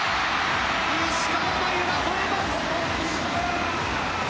石川真佑がほえます。